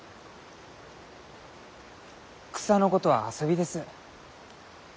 草のことは遊びです。